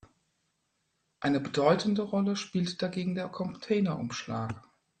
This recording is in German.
Eine bedeutende Rolle spielt dagegen der Containerumschlag.